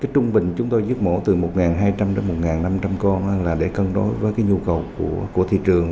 trung bình chúng tôi giết mổ từ một hai trăm linh đến một năm trăm linh con là để cân đối với nhu cầu của thị trường